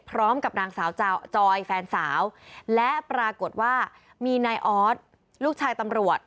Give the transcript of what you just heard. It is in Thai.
พร้อมกับนางสาวจอยแฟนสาวและปรากฏว่ามีนายออสลูกชายตำรวจ